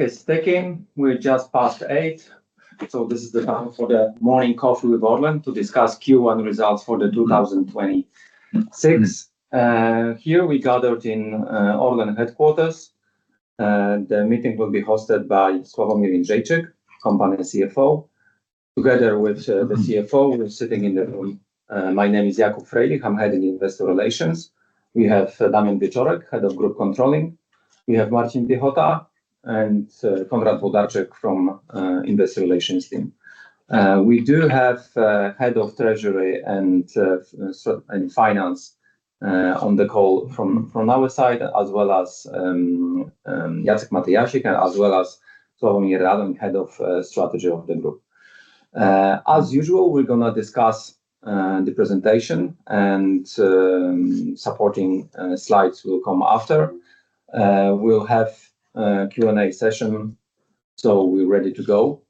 It's ticking. We're just past 8:00 A.M. This is the time for the morning coffee with ORLEN to discuss Q1 results for the 2026. Here we gathered in ORLEN headquarters. The meeting will be hosted by Sławomir Jędrzejczyk, Company CFO. Together with the CFO, who is sitting in the room, my name is Jakub Frejlich. I'm Head in Investor Relations. We have Damian Wieczorek, Head of Group Controlling. We have Marcin Piechota and Konrad Włodarczyk from Investor Relations team. We do have Head of Treasury and Finance on the call from our side, as well as Jacek Matyjasik, as well as Slawek Radon, Head of Strategy of the Group. As usual, we're going to discuss the presentation, supporting slides will come after. We'll have a Q&A session. We're ready to go.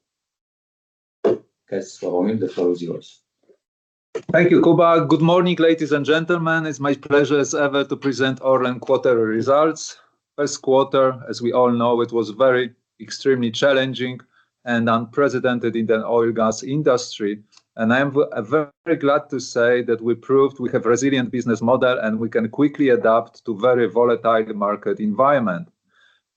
Okay, Sławomir, the floor is yours. Thank you, Kuba. Good morning, ladies and gentlemen. It's my pleasure as ever to present ORLEN quarterly results. First quarter, as we all know, it was very extremely challenging and unprecedented in the oil and gas industry. I am very glad to say that we proved we have resilient business model, and we can quickly adapt to very volatile market environment.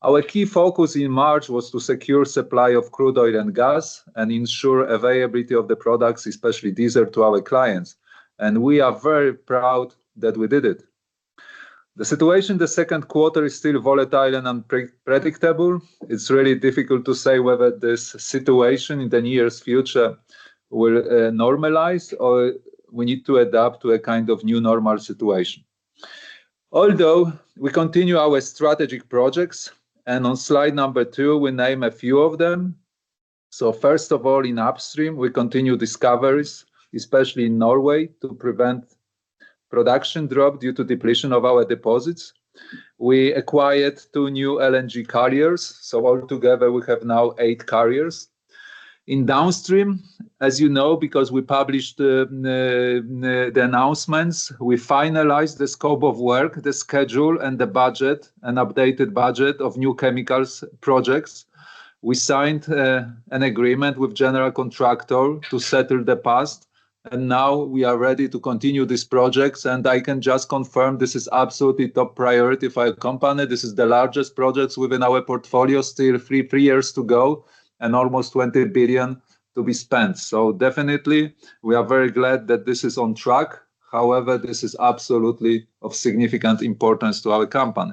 Our key focus in March was to secure supply of crude oil and gas and ensure availability of the products, especially diesel, to our clients. We are very proud that we did it. The situation in the second quarter is still volatile and unpredictable. It's really difficult to say whether this situation in the nearest future will normalize, or we need to adapt to a kind of new normal situation. We continue our strategic projects, and on slide number two, we name a few of them. First of all, in upstream, we continue discoveries, especially in Norway, to prevent production drop due to depletion of our deposits. We acquired two new LNG carriers, altogether we have now eight carriers. In downstream, as you know, because we published the announcements, we finalized the scope of work, the schedule, and the budget, an updated budget of New Chemicals projects. We signed an agreement with general contractor to settle the past, now we are ready to continue these projects. I can just confirm this is absolutely top priority for our company. This is the largest project within our portfolio. Still three years to go and almost 20 billion to be spent. Definitely, we are very glad that this is on track. However, this is absolutely of significant importance to our company.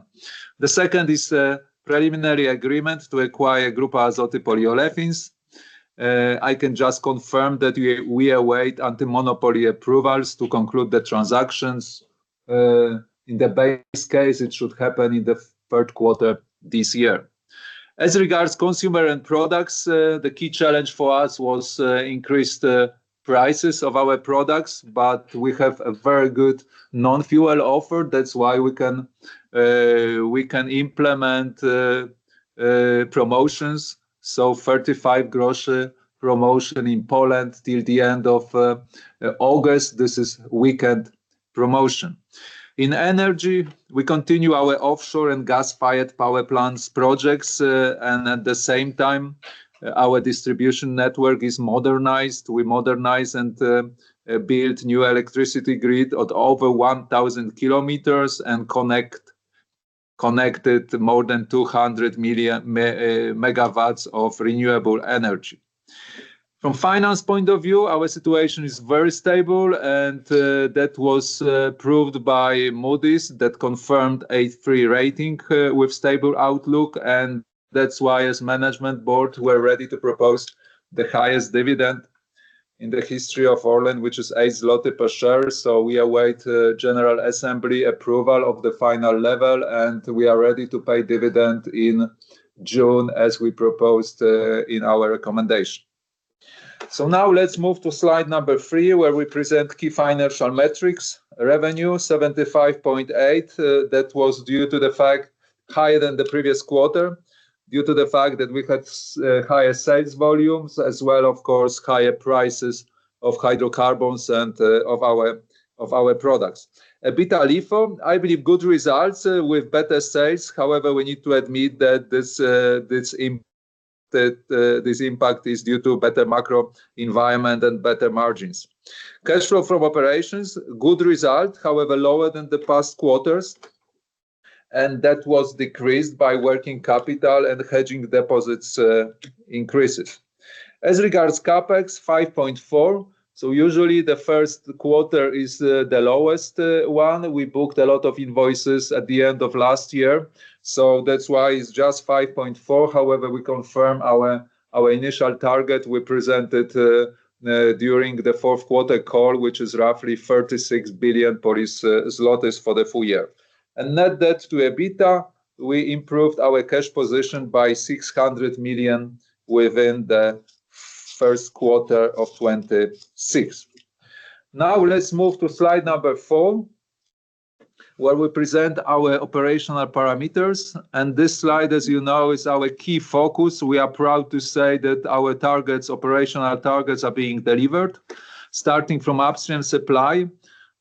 The second is a preliminary agreement to acquire Grupa Azoty Polyolefins. I can just confirm that we await anti-monopoly approvals to conclude the transactions. In the base case, it should happen in the third quarter this year. Regarding consumer end products, the key challenge for us was increased prices of our products, but we have a very good non-fuel offer. That's why we can implement promotions. 0.35 promotion in Poland till the end of August. This is weekend promotion. In energy, we continue our offshore and gas-fired power plants projects, and at the same time, our distribution network is modernized. We modernize and build new electricity grid at over 1,000 km and connected more than 200 MW of renewable energy. From finance point of view, our situation is very stable. That was proved by Moody's, that confirmed A3 rating with stable outlook. That's why, as management board, we're ready to propose the highest dividend in the history of ORLEN, which is 8 zloty per share. We await general assembly approval of the final level. We are ready to pay dividend in June, as we proposed in our recommendation. Now let's move to slide number three, where we present key financial metrics. Revenue 75.8 billion. That was due to the fact higher than the previous quarter, due to the fact that we've had higher sales volumes, as well, of course, higher prices of hydrocarbons and of our products. EBITDA LIFO, I believe good results with better sales. However, we need to admit that this impact is due to better macro environment and better margins. Cash flow from operations, good result, however, lower than the past quarters, and that was decreased by working capital and hedging deposits increases. As regards CapEx, 5.4 billion. Usually, the first quarter is the lowest one. We booked a lot of invoices at the end of last year, that's why it's just 5.4 billion. However, we confirm our initial target we presented during the fourth quarter call, which is roughly 36 billion for the full year. Net debt to EBITDA, we improved our cash position by 600 million within the first quarter of 2026. Now let's move to slide number four, where we present our operational parameters. This slide, as you know, is our key focus. We are proud to say that our operational targets are being delivered. Starting from upstream supply,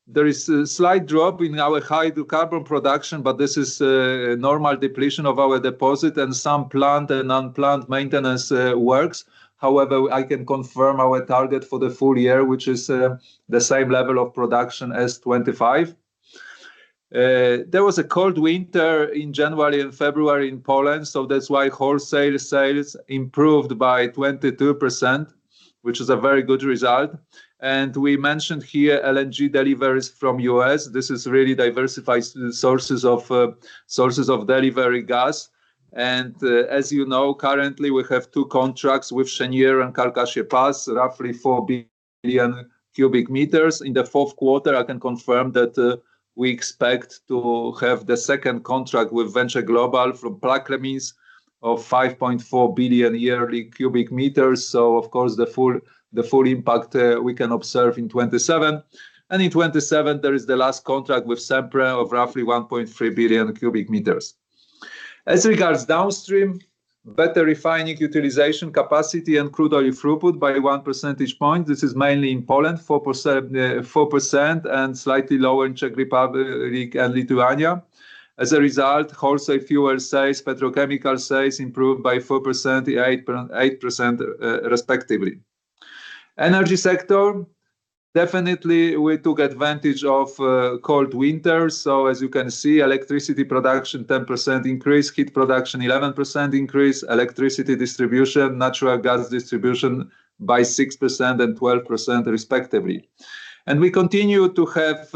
there is a slight drop in our high hydrocarbon production, but this is a normal depletion of our deposit and some plant and unplanned maintenance works. However, I can confirm our target for the full year, which is the same level of production as 2025. There was a cold winter in January and February in Poland, that's why wholesale sales improved by 22%, which is a very good result. We mentioned here LNG deliveries from U.S. This is really diversified sources of delivery gas. As you know, currently we have two contracts with Cheniere and Calcasieu Pass, roughly 4,000,000,000 cu m. In the fourth quarter, I can confirm that we expect to have the second contract with Venture Global from Plaquemines of 5.4 billion yearly cubic meters. Of course, the full impact we can observe in 2027. In 2027, there is the last contract with Sempra of roughly 1,300,000,000 cu m. As regards downstream, better refining utilization capacity and crude oil throughput by 1 percentage point. This is mainly in Poland, 4%, and slightly lower in Czech Republic and Lithuania. As a result, wholesale fuel sales, petrochemical sales improved by 4%, 8% respectively. Energy sector, definitely we took advantage of cold winter. As you can see, electricity production, 10% increase. Heat production, 11% increase. Electricity distribution, natural gas distribution by 6% and 12% respectively. We continue to have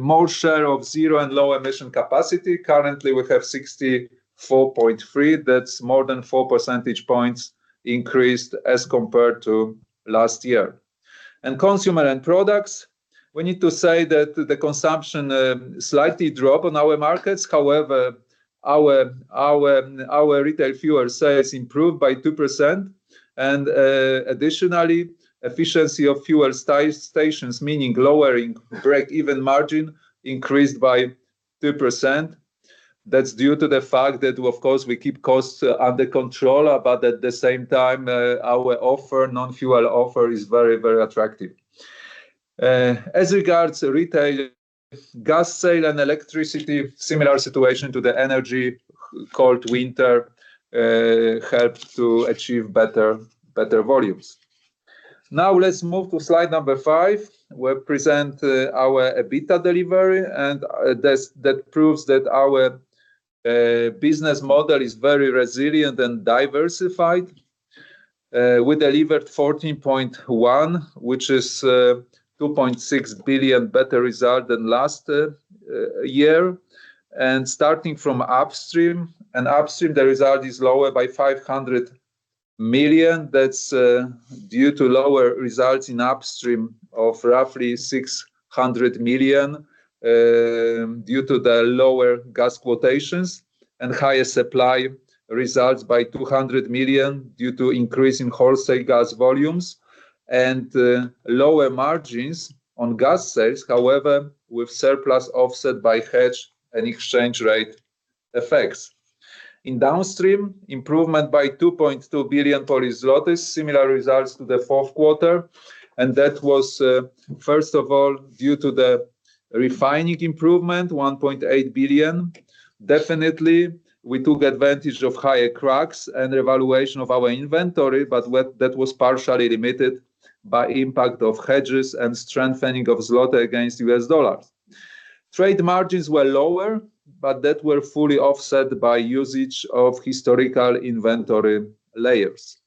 more share of zero and low-emission capacity. Currently, we have 64.3%. That's more than 4 percentage points increased as compared to last year. Consumer end products, we need to say that the consumption slightly drop on our markets. However, our retail fuel sales improved by 2%. Additionally, efficiency of fuel stations, meaning lowering break-even margin, increased by 2%. That's due to the fact that, of course, we keep costs under control, but at the same time, our non-fuel offer is very, very attractive. As regards retail, gas sale, and electricity, similar situation to the energy. Cold winter helped to achieve better volumes. Now, let's move to slide number five, where present our EBITDA delivery. That proves that our business model is very resilient and diversified. We delivered 14.1 billion, which is 2.6 billion better result than last year. Starting from upstream. In upstream, the result is lower by 500 million. That's due to lower results in upstream of roughly 600 million, due to the lower gas quotations. Higher supply results by 200 million due to increase in wholesale gas volumes. Lower margins on gas sales, however, with surplus offset by hedge and exchange rate effects. In Downstream, improvement by 2.2 billion, similar results to the fourth quarter. That was, first of all, due to the refining improvement, 1.8 billion. Definitely, we took advantage of higher cracks and revaluation of our inventory, but that was partially limited by impact of hedges and strengthening of złoty against U.S. dollar Trade margins were lower, but that were fully offset by usage of historical inventory layers.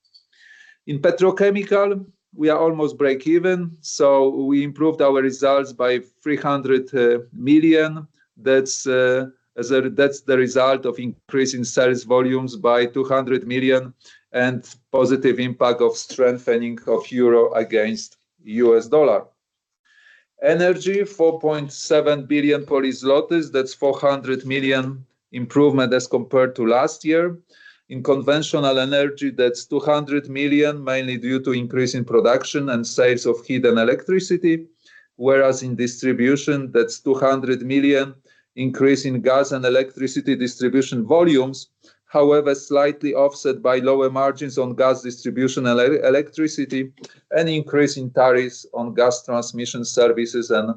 In Petrochemical, we are almost break-even, so we improved our results by 300 million. That's the result of increase in sales volumes by 200 million and positive impact of strengthening of euro against U.S. dollar. Energy, 4.7 billion zlotys. That's 400 million zlotys improvement as compared to last year. In conventional energy, that's 200 million, mainly due to increase in production and sales of heat and electricity. In distribution, that's 200 million increase in gas and electricity distribution volumes. Slightly offset by lower margins on gas distribution and electricity, and increase in tariffs on gas transmission services and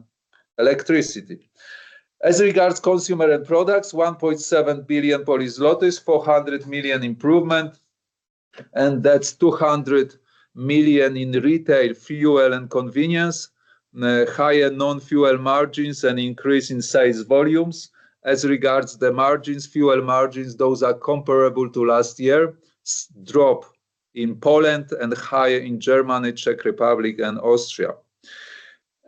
electricity. As regards consumer end products, 1.7 billion, 400 million improvement, that's 200 million in retail, fuel, and convenience. Higher non-fuel margins and increase in sales volumes. As regards the margins, fuel margins, those are comparable to last year. Drop in Poland and higher in Germany, Czech Republic, and Austria.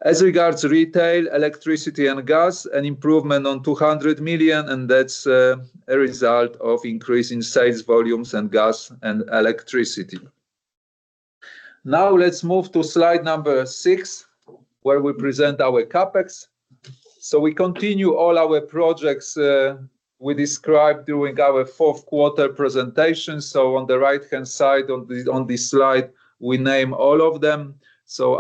As regards retail, electricity, and gas, an improvement on 200 million, that's a result of increase in sales volumes in gas and electricity. Let's move to slide number six, where we present our CapEx. We continue all our projects. We described during our fourth quarter presentation, on the right-hand side on this slide, we name all of them.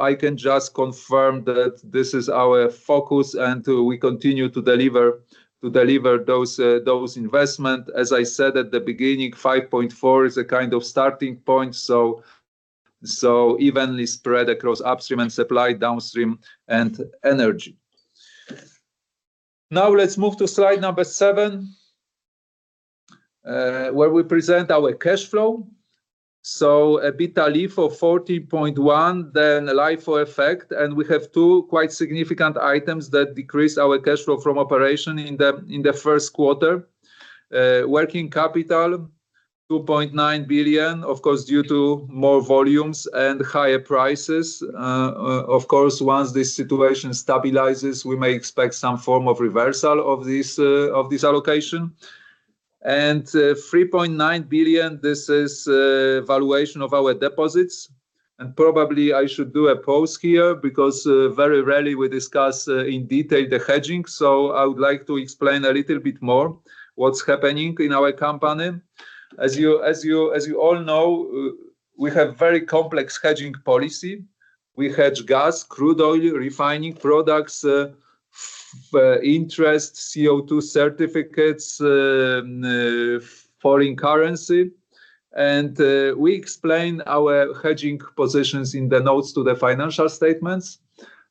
I can just confirm that this is our focus, and we continue to deliver those investments. As I said at the beginning, 5.4 billion is a kind of starting point, evenly spread across upstream and supply, downstream and energy. Let's move to slide number seven, where we present our cash flow. EBITDA LIFO for 14.1 billion, LIFO effect, we have two quite significant items that decrease our cash flow from operation in the first quarter. Working capital, 2.9 billion, of course, due to more volumes and higher prices. Of course, once this situation stabilizes, we may expect some form of reversal of this allocation. 3.9 billion, this is valuation of our deposits. Probably I should do a pause here because very rarely we discuss in detail the hedging. I would like to explain a little bit more what's happening in our company. As you all know, we have very complex hedging policy. We hedge gas, crude oil, refining products, interest, CO2 certificates, foreign currency, and we explain our hedging positions in the notes to the financial statements.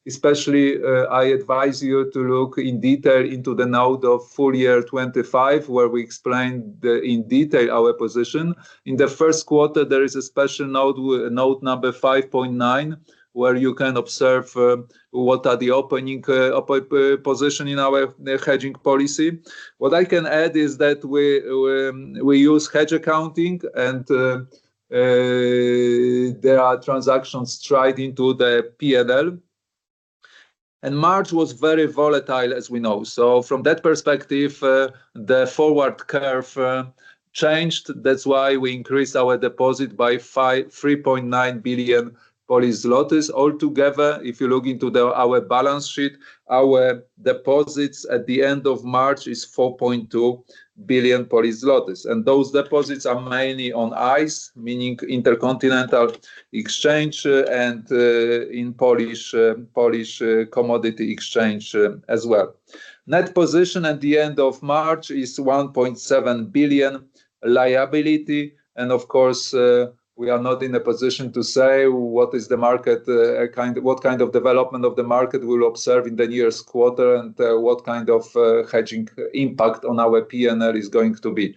Especially, I advise you to look in detail into the note of full year 2025, where we explain in detail our position. In the first quarter, there is a special note number 5.9, where you can observe what are the opening position in our hedging policy. What I can add is that we use hedge accounting, and there are transactions straight into the P&L. March was very volatile, as we know. From that perspective, the forward curve changed. That's why we increased our deposit by 3.9 billion Polish zlotys. If you look into our balance sheet, our deposits at the end of March is 4.2 billion Polish zlotys. Those deposits are mainly on ICE, meaning Intercontinental Exchange, and in Polish Commodity Exchange as well. Net position at the end of March is 1.7 billion liability, of course, we are not in a position to say what kind of development of the market we'll observe in the nearest quarter, and what kind of hedging impact on our P&L is going to be.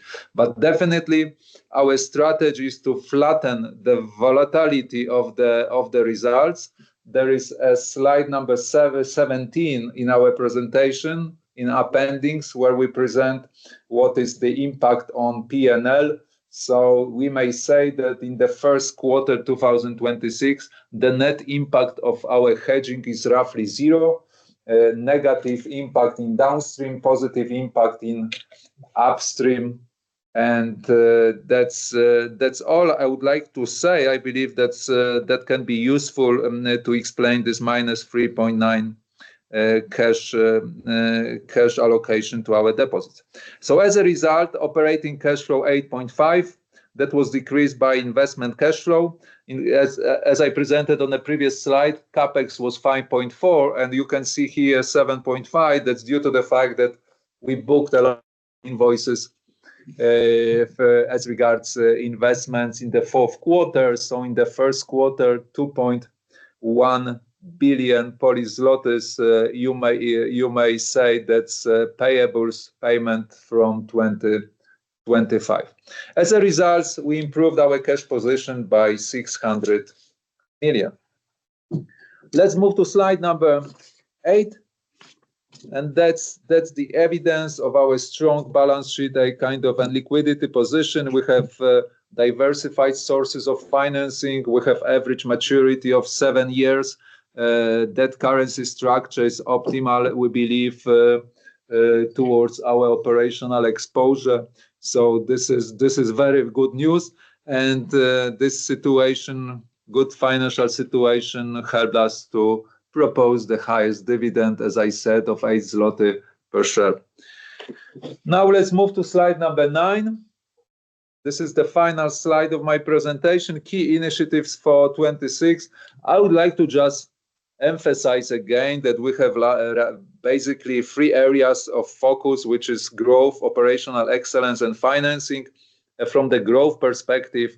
Definitely, our strategy is to flatten the volatility of the results. There is a slide number 17 in our presentation, in appendix, where we present what is the impact on P&L. We may say that in the first quarter 2026, the net impact of our hedging is roughly zero. A negative impact in downstream, positive impact in upstream, and that's all I would like to say. I believe that can be useful to explain this -3.9 billion cash allocation to our deposits. As a result, operating cash flow 8.5 billion, that was decreased by investment cash flow. As I presented on the previous slide, CapEx was 5.4 billion, and you can see here 7.5 billion. That's due to the fact that we booked a lot of invoices, as regards investments in the fourth quarter. In the first quarter, 2.1 billion Polish zlotys. You may say that's payables payment from 2025. As a result, we improved our cash position by 600 million. Let's move to slide number eight, and that's the evidence of our strong balance sheet and liquidity position. We have diversified sources of financing. We have average maturity of seven years. That currency structure is optimal, we believe, towards our operational exposure. This is very good news. This good financial situation helped us to propose the highest dividend, as I said, of 8 zloty per share. Let's move to slide number nine. This is the final slide of my presentation, key initiatives for 2026. I would like to just emphasize again that we have basically three areas of focus, which is growth, operational excellence, and financing. From the growth perspective,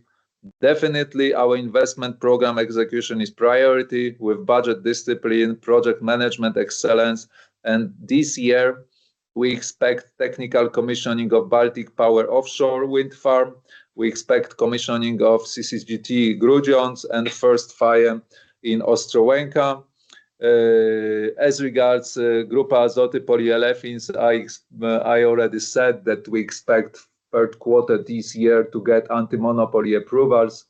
definitely our investment program execution is priority with budget discipline, project management excellence. This year, we expect technical commissioning of Baltic Power Offshore Wind Farm. We expect commissioning of CCGT Grudziądz and first fire in Ostrołęka. As regards Grupa Azoty Polyolefins, I already said that we expect third quarter this year to get anti-monopoly approvals.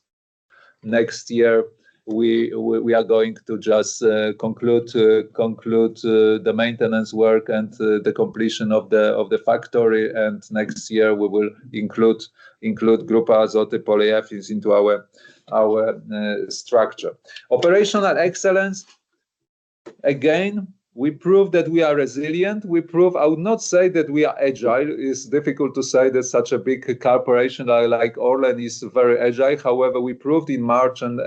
Next year, we are going to just conclude the maintenance work and the completion of the factory, and next year, we will include Grupa Azoty Polyolefins into our structure. Operational excellence. Again, we proved that we are resilient. I would not say that we are agile. It's difficult to say that such a big corporation like ORLEN is very agile. However, we proved in March and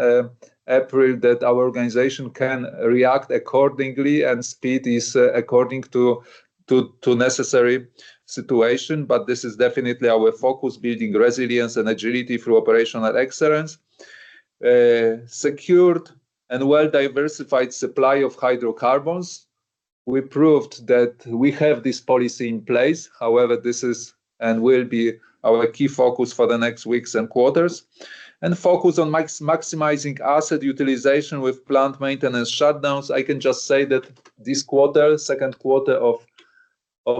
April that our organization can react accordingly, and speed is according to necessary situation. This is definitely our focus, building resilience and agility through operational excellence. Secured and well-diversified supply of hydrocarbons. We proved that we have this policy in place. However, this is and will be our key focus for the next weeks and quarters. Focus on maximizing asset utilization with plant maintenance shutdowns. I can just say that this quarter, second quarter of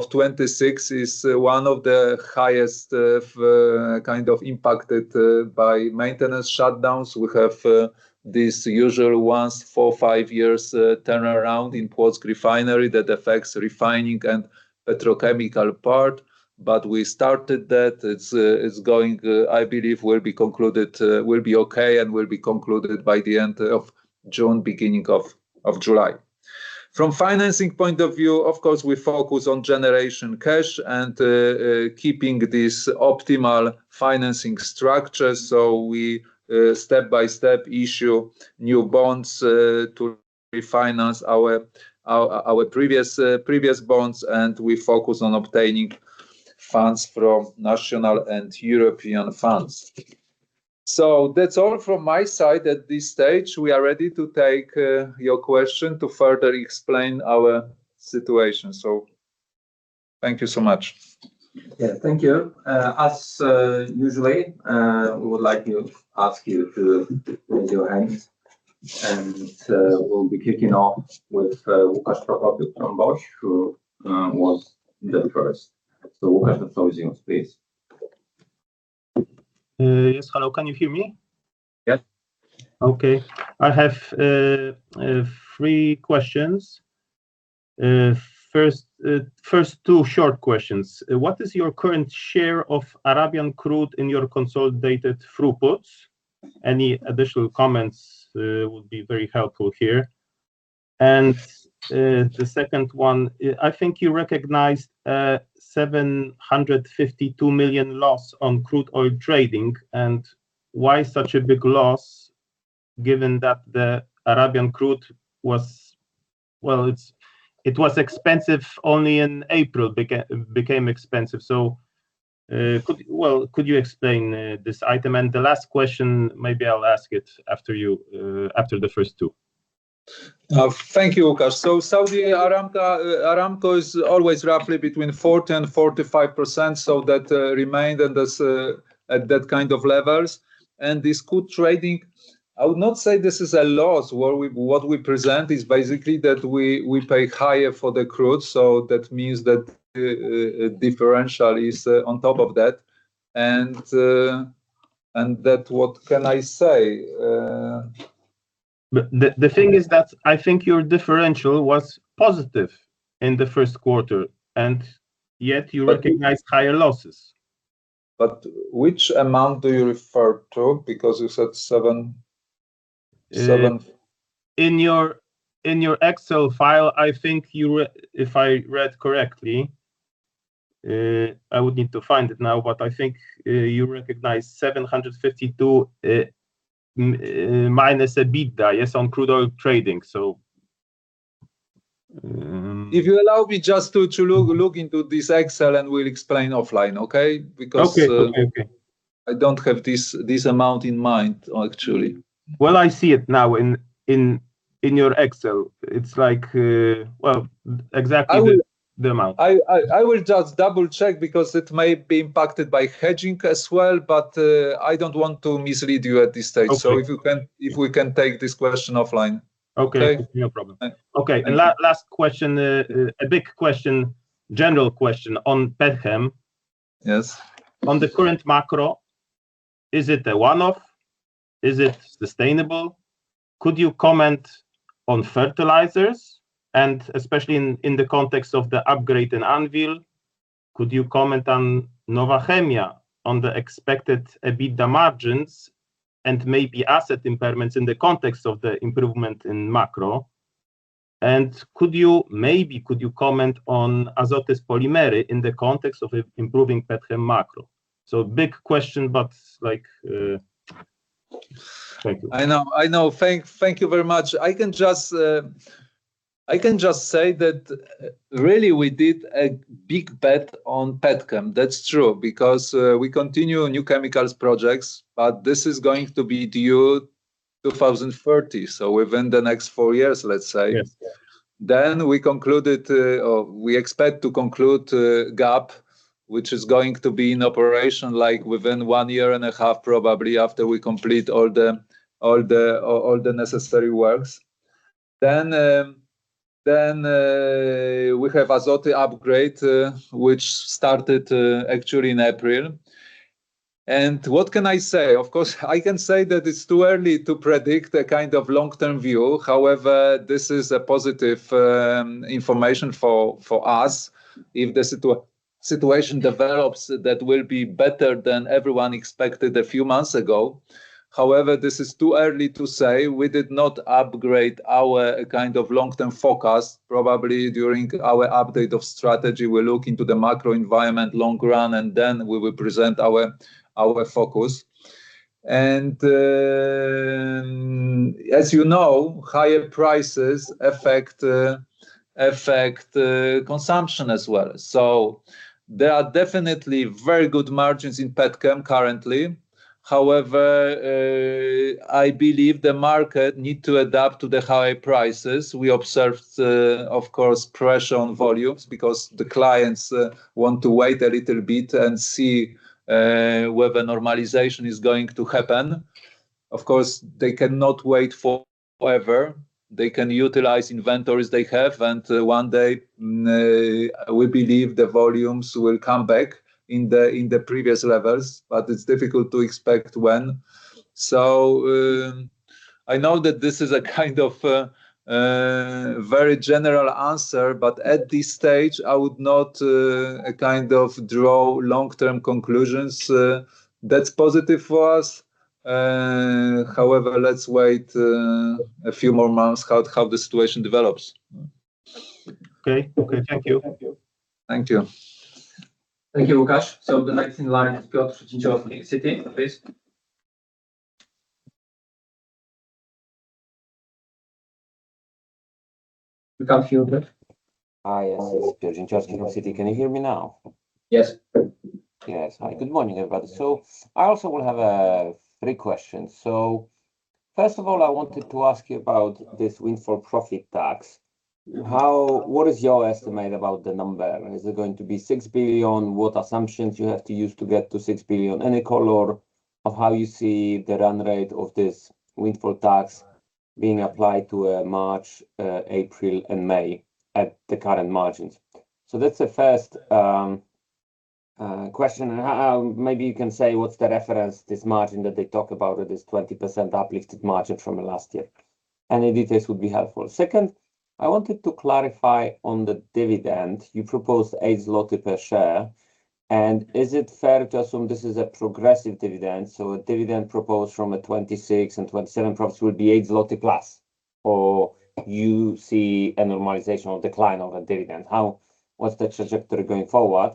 2026 is one of the highest impacted by maintenance shutdowns. We have this usual once four, five years turnaround in Płock refinery that affects refining and petrochemical part. We started that. I believe will be okay, and will be concluded by the end of June, beginning of July. From financing point of view, of course, we focus on generation cash and keeping this optimal financing structure. We step by step issue new bonds to refinance our previous bonds, and we focus on obtaining funds from national and European funds. That's all from my side at this stage. We are ready to take your question to further explain our situation. Thank you so much. Yeah, thank you. As usual, we would like to ask you to raise your hands, and we'll be kicking off with Łukasz Prokopiuk from BOŚ, who was the first. Łukasz Prokopiuk, please. Yes. Hello, can you hear me? Yes. Okay. I have three questions. First two short questions. What is your current share of Arabian crude in your consolidated throughput? Any additional comments will be very helpful here. The second one, I think you recognized a 752 million loss on crude oil trading. Why such a big loss, given that the Arabian crude was expensive only in April, became expensive? Could you explain this item? The last question, maybe I'll ask it after the first two. Thank you, Łukasz. Saudi Aramco is always roughly between 40% and 45%, that remained at that kind of levels. This crude trading, I would not say this is a loss. What we present is basically that we pay higher for the crude, that means that differential is on top of that, and that, what can I say? The thing is that I think your differential was positive in the first quarter, and yet you recognized higher losses. Which amount do you refer to? Because you said PLN 7 million. In your Excel file, if I read correctly, I would need to find it now, but I think you recognized -752 million EBITDA, yes, on crude oil trading. If you allow me just to look into this Excel, and we'll explain offline, okay? Okay. I don't have this amount in mind, actually. Well, I see it now in your Excel. It's exactly the amount. I will just double-check because it may be impacted by hedging as well, but I don't want to mislead you at this stage. Okay. If we can take this question offline. Okay. No problem. Okay. Okay. Last question. A big question, general question on Petchem. Yes. On the current macro, is it a one-off? Is it sustainable? Could you comment on fertilizers, and especially in the context of the upgrade in Anwil? Could you comment on Nowa Chemia, on the expected EBITDA margins and maybe asset impairments in the context of the improvement in macro? Maybe could you comment on Azoty Polimery in the context of improving Petchem macro? Big question, but thank you. I know. Thank you very much. I can just say that really we did a big bet on Petchem. That's true, because we continue New Chemicals project, but this is going to be due 2030. Within the next four years, let's say. Yes. We expect to conclude GAP, which is going to be in operation within one year and a half, probably after we complete all the necessary works. We have Azoty upgrade, which started actually in April. What can I say? Of course, I can say that it's too early to predict the kind of long-term view. However, this is a positive information for us if the situation develops that will be better than everyone expected a few months ago. However, this is too early to say. We did not upgrade our long-term forecast. Probably during our update of strategy, we'll look into the macro environment long run, and then we will present our focus. As you know, higher prices affect consumption as well. There are definitely very good margins in Petchem currently. However, I believe the market need to adapt to the high prices. We observed, of course, pressure on volumes because the clients want to wait a little bit and see whether normalization is going to happen. Of course, they cannot wait forever. They can utilize inventories they have, and one day, we believe the volumes will come back in the previous levels, but it's difficult to expect when. I know that this is a very general answer, but at this stage, I would not draw long-term conclusions. That's positive for us. However, let's wait a few more months how the situation develops. Okay. Thank you. Thank you. Thank you, Łukasz. The next in line is Piotr Dzięciołowski, Citi, please. We can't hear you, Piotr. Hi, yes. It's Piotr Dzięciołowski from Citi. Can you hear me now? Yes. Yes. Hi, good morning, everybody. I also will have three questions. First of all, I wanted to ask you about this windfall profit tax. What is your estimate about the number? Is it going to be 6 billion? What assumptions you have to use to get to 6 billion? Any color of how you see the run rate of this windfall tax being applied to March, April, and May at the current margins? That's the first question. Maybe you can say what's the reference, this margin that they talk about, that is 20% uplifted margin from last year. Any details would be helpful. Second, I wanted to clarify on the dividend. You proposed 8 zloty per share, and is it fair to assume this is a progressive dividend? A dividend proposed from a 2026 and 2027 profits will be 8+ zloty, or you see a normalization or decline of a dividend? What's the trajectory going forward?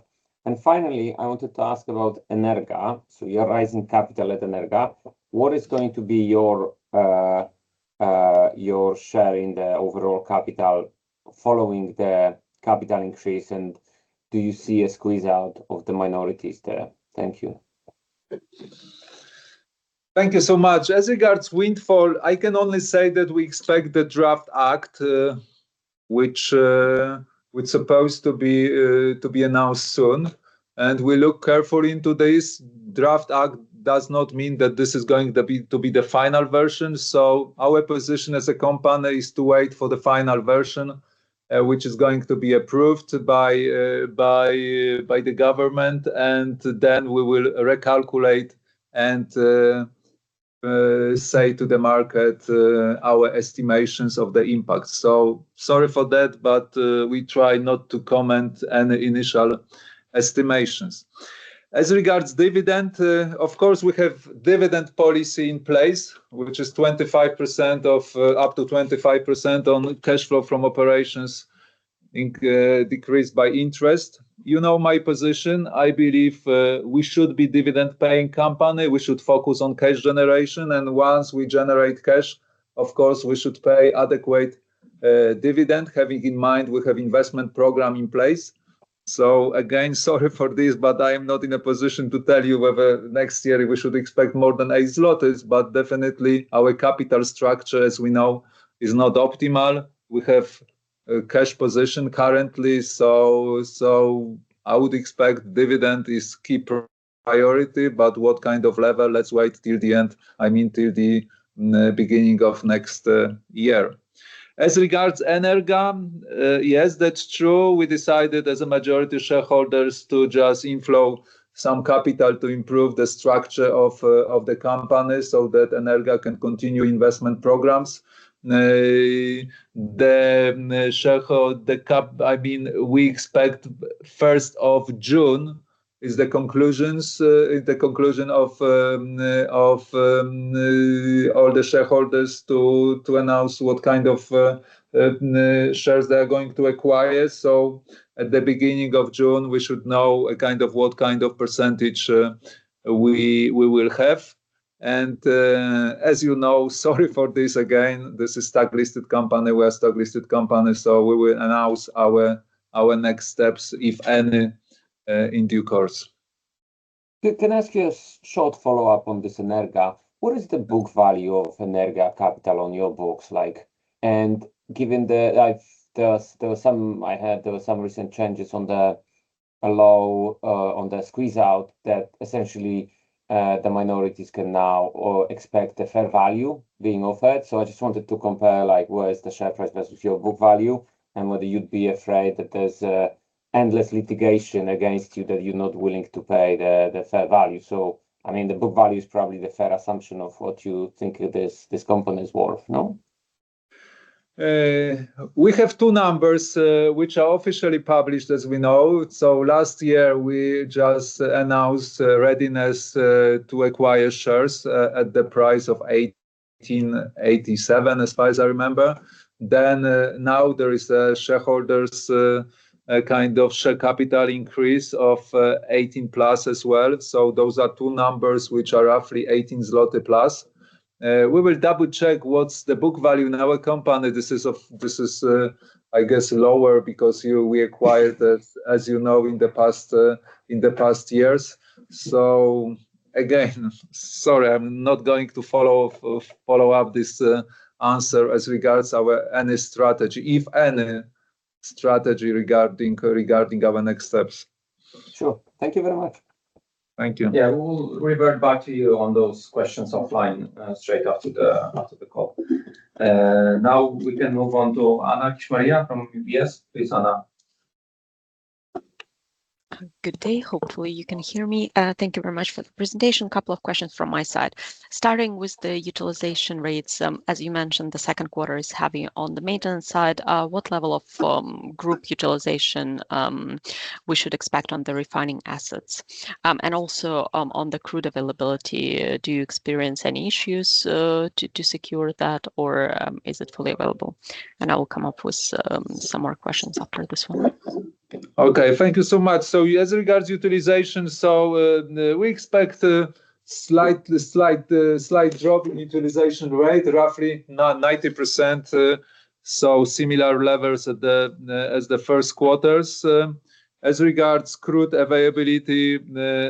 Finally, I wanted to ask about Energa. You're raising capital at Energa. What is going to be your share in the overall capital following the capital increase, and do you see a squeeze out of the minorities there? Thank you. Thank you so much. As regards windfall, I can only say that we expect the draft act, which supposed to be announced soon. We look carefully into this. Draft act does not mean that this is going to be the final version. Our position as a company is to wait for the final version, which is going to be approved by the government, then we will recalculate and say to the market our estimations of the impact. Sorry for that, we try not to comment any initial estimations. As regards dividend, of course, we have dividend policy in place, which is up to 25% on cash flow from operations decreased by interest. You know my position. I believe we should be dividend-paying company. We should focus on cash generation. Once we generate cash, of course, we should pay adequate dividend, having in mind we have investment program in place. Again, sorry for this, but I am not in a position to tell you whether next year we should expect more than 8 zlotys, definitely our capital structure, as we know, is not optimal. We have a cash position currently. I would expect dividend is key priority. What kind of level? Let's wait till the end. I mean till the beginning of next year. As regards Energa, yes, that's true. We decided as a majority shareholders to just inflow some capital to improve the structure of the company so that Energa can continue investment programs. We expect 1st of June is the conclusion of all the shareholders to announce what kind of shares they're going to acquire. At the beginning of June, we should know what kind of percentage we will have. As you know, sorry for this again, this is stock-listed company. We're a stock-listed company, we will announce our next steps, if any, in due course. Can I ask you a short follow-up on this Energa? What is the book value of Energa capital on your books like? Given I heard there were some recent changes on the squeeze out that essentially the minorities can now or expect a fair value being offered. I just wanted to compare, where is the share price versus your book value and whether you'd be afraid that there's endless litigation against you that you're not willing to pay the fair value. The book value is probably the fair assumption of what you think this company is worth, no? We have two numbers which are officially published, as we know. Last year, we just announced readiness to acquire shares at the price of 18.87, as far as I remember. Now there is a shareholders share capital increase of 18+ as well. Those are two numbers which are roughly 18+ zloty. We will double-check what's the book value in our company. This is, I guess, lower because we acquired, as you know, in the past years. Again, sorry, I'm not going to follow up this answer as regards our any strategy, if any strategy regarding our next steps. Sure. Thank you very much. Thank you. Yeah. We'll revert back to you on those questions offline straight after the call. Now we can move on to Anna Kishmariya from UBS. Please, Anna. Good day. Hopefully, you can hear me. Thank you very much for the presentation. Couple of questions from my side. Starting with the utilization rates, as you mentioned, the second quarter is heavy on the maintenance side. What level of group utilization we should expect on the refining assets? Also, on the crude availability, do you experience any issues to secure that, or is it fully available? I will come up with some more questions after this one. Okay. Thank you so much. As regards utilization, we expect a slight drop in utilization rate, roughly 90%, so similar levels as the first quarters. As regards crude availability,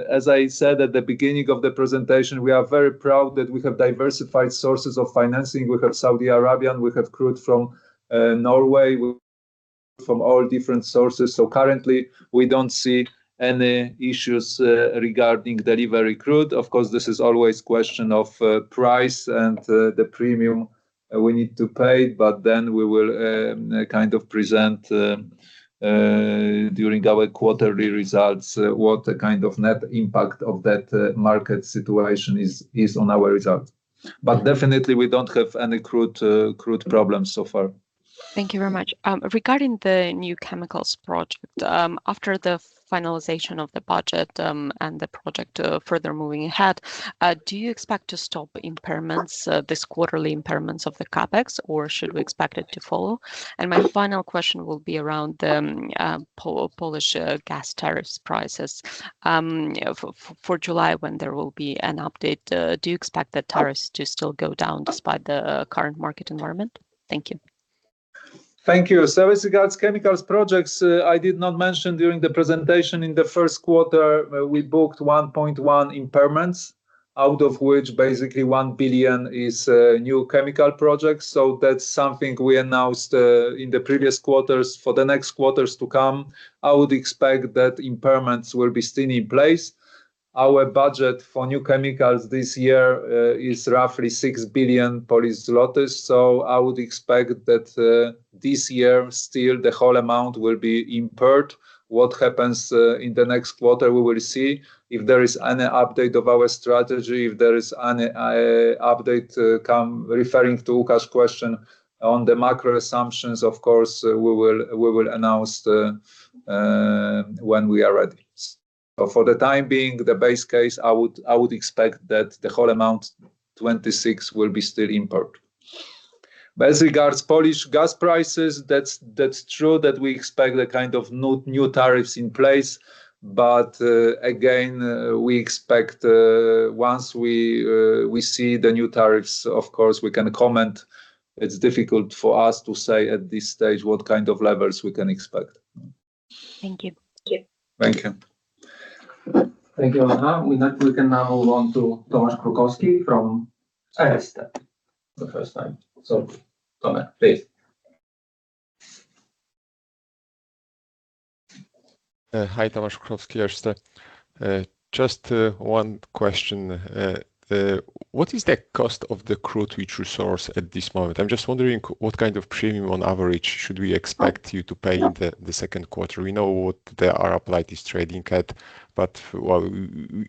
as I said at the beginning of the presentation, we are very proud that we have diversified sources of financing. We have Saudi Arabian, we have crude from Norway, from all different sources. Currently, we don't see any issues regarding delivery crude. Of course, this is always question of price and the premium we need to pay. We will present during our quarterly results what the kind of net impact of that market situation is on our results. Definitely, we don't have any crude problems so far. Thank you very much. Regarding the New Chemicals project, after the finalization of the budget and the project further moving ahead, do you expect to stop impairments, this quarterly impairments of the CapEx, or should we expect it to follow? My final question will be around the Polish gas tariff prices. For July, when there will be an update, do you expect the tariffs to still go down despite the current market environment? Thank you. Thank you. As regards New Chemicals project, I did not mention during the presentation, in the first quarter, we booked 1.1 billion impairments, out of which basically 1 billion is New Chemicals project. For the next quarters to come, I would expect that impairments will be still in place. Our budget for New Chemicals this year is roughly 6 billion Polish zlotys. I would expect that this year still, the whole amount will be impaired. What happens in the next quarter, we will see. If there is any update of our strategy, if there is any update come referring to Łukasz's question on the macro assumptions, of course, we will announce when we are ready. For the time being, the base case, I would expect that the whole amount, 26 billion, will be still impaired. As regards Polish gas prices, that's true that we expect a kind of new tariffs in place. Again, we expect once we see the new tariffs, of course, we can comment. It's difficult for us to say at this stage what kind of levels we can expect. Thank you. Thank you. Thank you, Anna. We can now move on to Tomasz Krukowski from Erste for the first time. Tomasz, please. Hi, Tomasz Krukowski, Erste. Just one question. What is the cost of the crude which resource at this moment? I'm just wondering what kind of premium on average should we expect you to pay in the second quarter? We know what the Arab Light is trading at,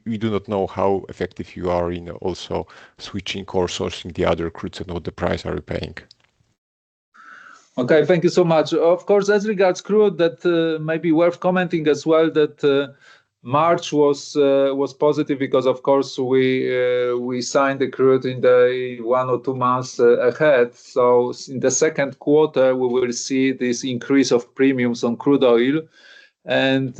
we do not know how effective you are in also switching or sourcing the other crudes and what the price are you paying. Okay. Thank you so much. Of course, as regards crude, that may be worth commenting as well that March was positive because, of course, we signed the crude in the one or two months ahead. In the second quarter, we will see this increase of premiums on crude oil, and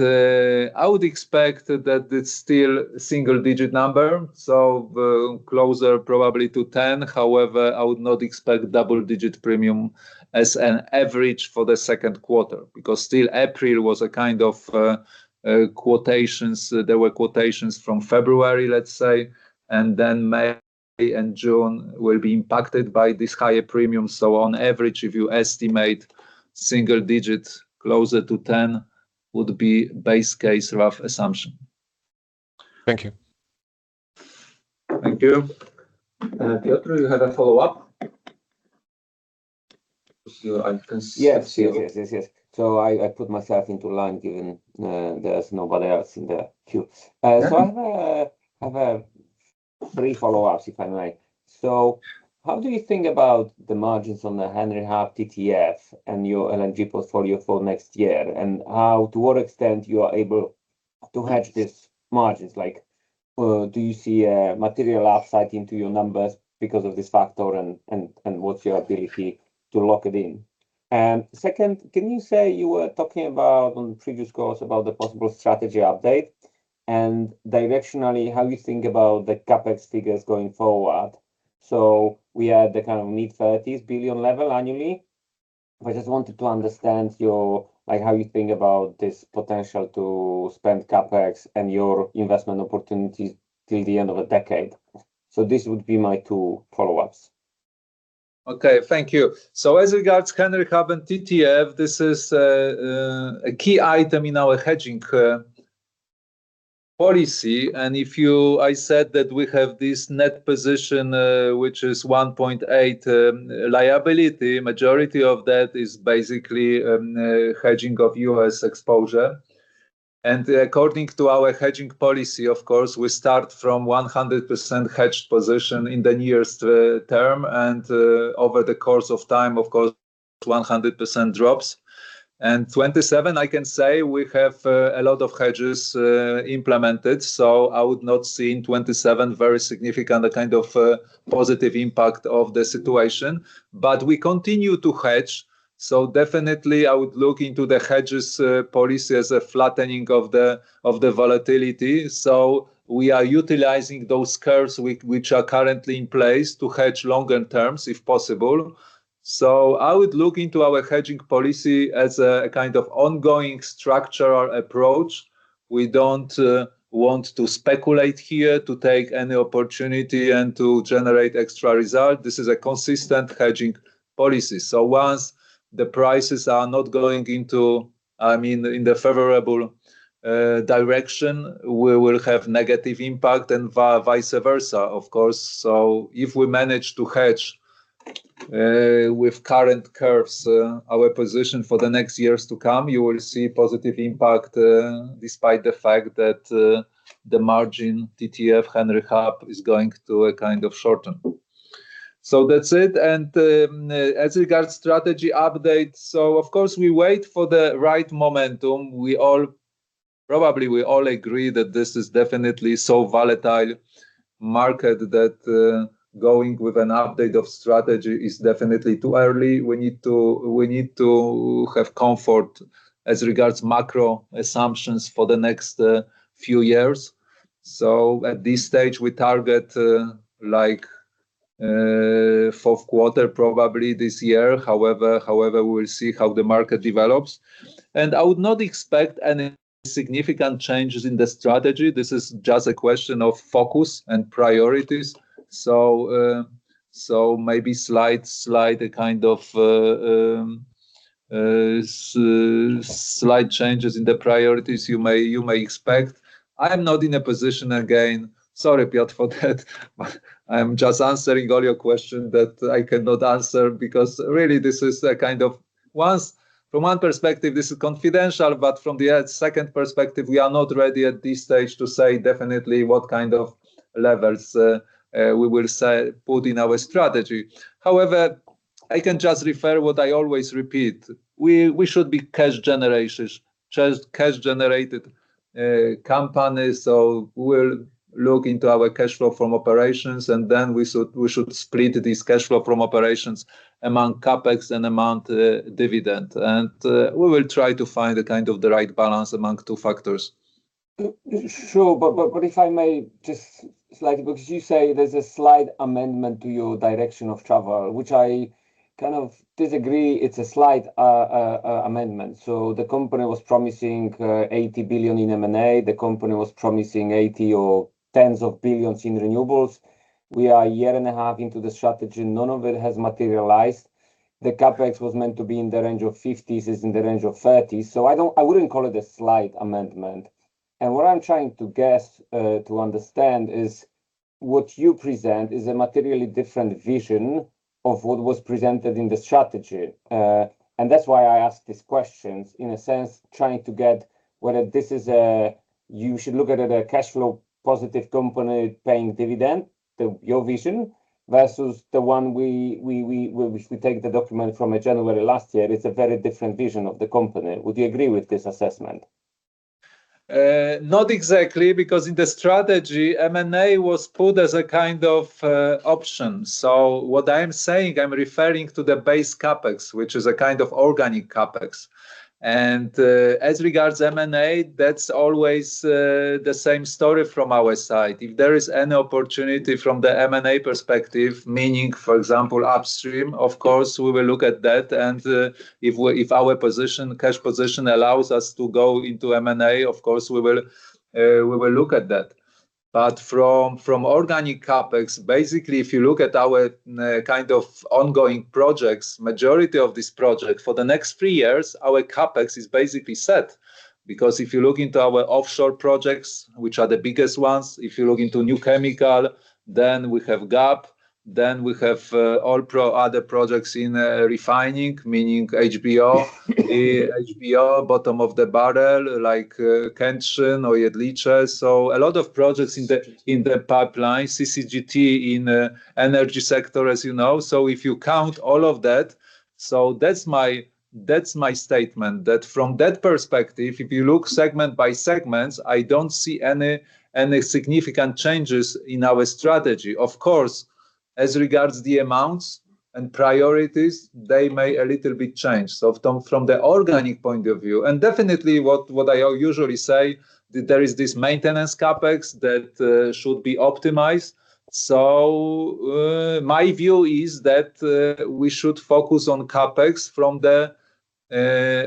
I would expect that it's still single-digit number, so closer probably to 10. However, I would not expect double-digit premium as an average for the second quarter, because still April was a kind of quotations. There were quotations from February, let's say, and then May and June will be impacted by this higher premium. On average, if you estimate single digit closer to 10 would be base case rough assumption. Thank you. Thank you. Piotr, you had a follow-up? Yes. I put myself into line given there's nobody else in the queue. Yeah. Three follow-ups, if I may. How do you think about the margins on the Henry Hub, TTF, and your LNG portfolio for next year, and to what extent you are able to hedge these margins? Do you see a material upside into your numbers because of this factor, and what's your ability to lock it in? Second, can you say, you were talking on previous calls about the possible strategy update and directionally how you think about the CapEx figures going forward. We are at the mid PLN 30s billion level annually. I just wanted to understand how you think about this potential to spend CapEx and your investment opportunities till the end of the decade. This would be my two follow-ups. Okay. Thank you. As regards Henry Hub and TTF, this is a key item in our hedging policy. I said that we have this net position, which is 1.8 billion liability. Majority of that is basically hedging of U.S. exposure. According to our hedging policy, of course, we start from 100% hedged position in the nearest term. Over the course of time, of course, 100% drops. 2027, I can say we have a lot of hedges implemented. I would not see in 2027 very significant positive impact of the situation. We continue to hedge. Definitely I would look into the hedges policy as a flattening of the volatility. We are utilizing those curves which are currently in place to hedge longer terms if possible. I would look into our hedging policy as a kind of ongoing structural approach. We don't want to speculate here to take any opportunity and to generate extra result. This is a consistent hedging policy. Once the prices are not going in the favorable direction, we will have negative impact and vice versa, of course. If we manage to hedge with current curves our position for the next years to come, you will see positive impact, despite the fact that the margin TTF, Henry Hub is going to a kind of shorten. That's it. As regards strategy update, so of course, we wait for the right momentum. Probably we all agree that this is definitely so volatile market that going with an update of strategy is definitely too early. We need to have comfort as regards macro assumptions for the next few years. At this stage, we target fourth quarter probably this year. However, we will see how the market develops. I would not expect any significant changes in the strategy. This is just a question of focus and priorities. Maybe slight changes in the priorities you may expect. I am not in a position, again, sorry, Piotr, for that, I'm just answering all your question that I cannot answer because really, from one perspective, this is confidential, but from the second perspective, we are not ready at this stage to say definitely what kind of levels we will put in our strategy. However, I can just refer what I always repeat. We should be cash generators, cash-generated company, we'll look into our cash flow from operations and then we should split this cash flow from operations among CapEx and among dividend. We will try to find the right balance among two factors. Sure. If I may, just slightly, because you say there's a slight amendment to your direction of travel, which I kind of disagree it's a slight amendment. The company was promising 80 billion in M&A. The company was promising 80 billion or tens of billions in renewables. We are a year and a half into the strategy. None of it has materialized. The CapEx was meant to be in the range of 50 billion, is in the range of 30 billion. I wouldn't call it a slight amendment. What I'm trying to get to understand is what you present is a materially different vision of what was presented in the strategy. That's why I ask these questions, in a sense, trying to get whether you should look at a cash flow positive company paying dividend, your vision, versus the one, if we take the document from January last year, it's a very different vision of the company. Would you agree with this assessment? Not exactly, because in the strategy, M&A was put as a kind of option. What I'm saying, I'm referring to the base CapEx, which is a kind of organic CapEx. As regards M&A, that's always the same story from our side. If there is any opportunity from the M&A perspective, meaning, for example, upstream, of course, we will look at that, and if our cash position allows us to go into M&A, of course, we will look at that. From organic CapEx, basically, if you look at our ongoing projects, majority of this project, for the next three years, our CapEx is basically set. If you look into our offshore projects, which are the biggest ones, if you look into New Chemical, then we have GAP. Then we have all other projects in refining, meaning HBO, bottom of the barrel, like Kętrzyn or Jedlicze. A lot of projects in the pipeline, CCGT in energy sector, as you know. If you count all of that's my statement, that from that perspective, if you look segment by segment, I don't see any significant changes in our strategy. Of course, as regards the amounts and priorities, they may a little bit change. From the organic point of view, and definitely what I usually say, there is this maintenance CapEx that should be optimized. My view is that we should focus on CapEx from the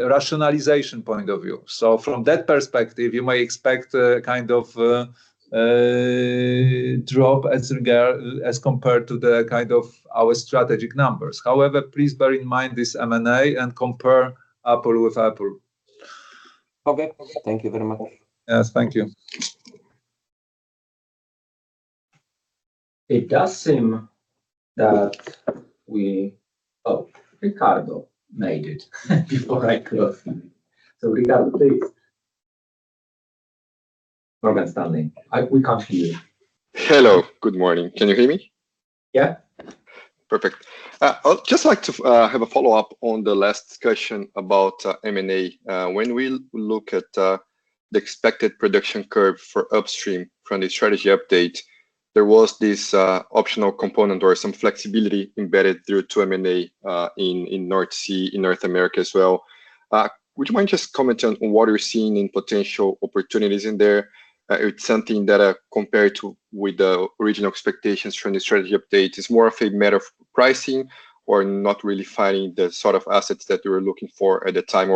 rationalization point of view. From that perspective, you may expect a kind of drop as compared to our strategic numbers. However, please bear in mind this M&A and compare apple with apple. Okay. Thank you very much. Yes. Thank you. It does seem that we, oh, Ricardo made it before I could. Ricardo, please. Morgan Stanley. We can't hear you. Hello. Good morning. Can you hear me? Yeah. Perfect. I'll just like to have a follow-up on the last discussion about M&A. We look at the expected production curve for upstream from the strategy update, there was this optional component or some flexibility embedded through to M&A, in North Sea, in North America as well. Would you mind just commenting on what you're seeing in potential opportunities in there? It's something that compared with the original expectations from the strategy update, is more of a matter of pricing or not really finding the sort of assets that you were looking for at the time.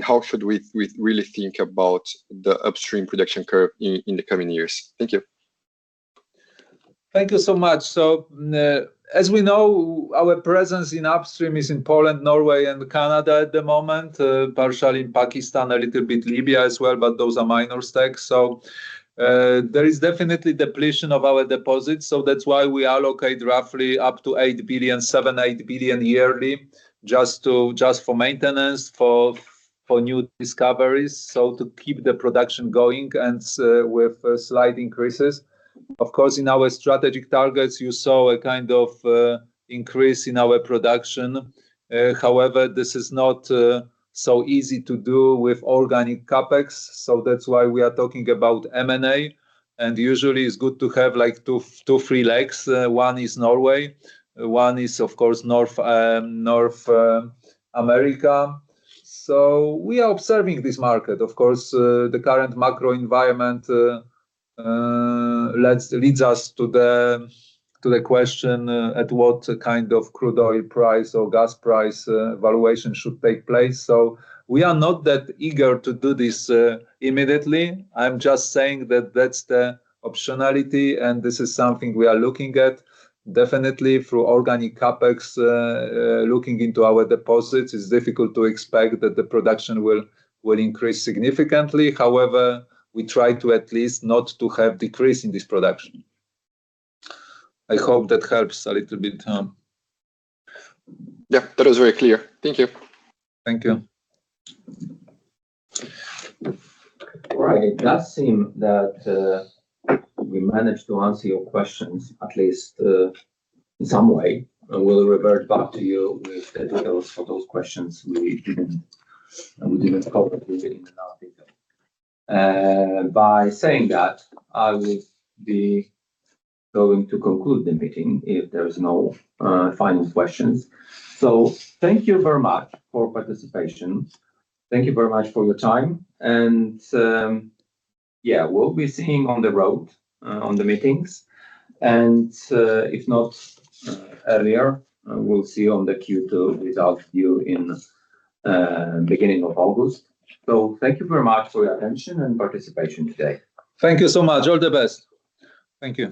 How should we really think about the upstream production curve in the coming years? Thank you. Thank you so much. As we know, our presence in upstream is in Poland, Norway and Canada at the moment. Partially in Pakistan, a little bit Libya as well, but those are minor stakes. There is definitely depletion of our deposits, so that's why we allocate roughly up to 8 billion, 7 billion-8 billion yearly, just for maintenance, for new discoveries. To keep the production going and with slight increases. Of course, in our strategic targets, you saw a kind of increase in our production. However, this is not so easy to do with organic CapEx, so that's why we are talking about M&A, and usually it's good to have two, three legs. One is Norway, one is, of course, North America. We are observing this market. Of course, the current macro environment, leads us to the question, at what kind of crude oil price or gas price valuation should take place? We are not that eager to do this immediately. I'm just saying that that's the optionality and this is something we are looking at. Definitely through organic CapEx, looking into our deposits, it's difficult to expect that the production will increase significantly. However, we try to at least not to have decrease in this production. I hope that helps a little bit. Yeah, that is very clear. Thank you. Thank you. Right. It does seem that we managed to answer your questions, at least in some way, and we'll revert back to you with the details for those questions we didn't cover within an hour detail. By saying that, I would be going to conclude the meeting if there's no final questions. Thank you very much for participation. Thank you very much for your time and, yeah, we'll be seeing on the road, on the meetings and, if not earlier, we'll see you on the Q2 results view in beginning of August. Thank you very much for your attention and participation today. Thank you so much. All the best. Thank you.